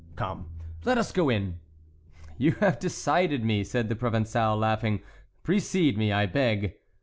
Come, let us go in." "You have decided me," said the Provençal, laughing; "precede me, I beg."